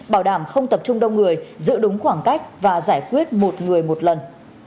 bảo đảm không tập trung đông người giữ đúng khoảng cách và giải quyết một người một lần